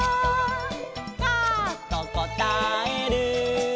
「カァとこたえる」